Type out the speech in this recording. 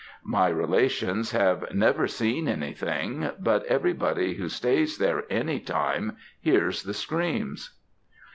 My relations have never seen anything; but everybody who stays there any time hears the screams.